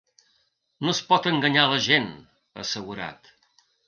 “No es pot enganyar a la gent”, ha assegurat.